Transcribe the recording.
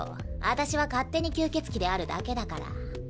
あたしは勝手に吸血鬼であるだけだから。